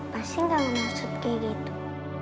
pasti gak mau masuk kayak gitu